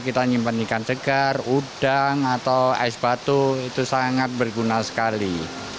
kita nyimpan ikan segar udang atau es batu itu sangat berguna sekali